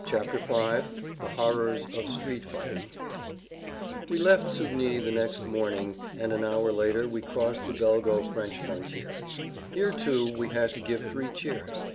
[Pg 38] V THE HORRORS OF STREET FIGHTING We left Sugny the next morning, and an hour later we crossed the Belgo French frontier. Here, too, we had to give three cheers.